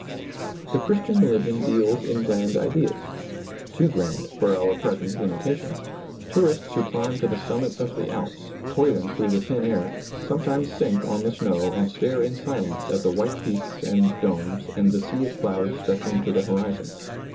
The Christian religion deals in grand ideas; too grand for our present limitations. Tourists who climb to the summits of the Alps, toiling through the thin air, sometimes sink on the snow and stare in silence at the white peaks and domes and the sea of clouds stretching to the horizon.